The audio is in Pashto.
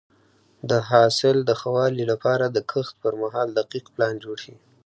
د حاصل د ښه والي لپاره د کښت پر مهال دقیق پلان جوړ شي.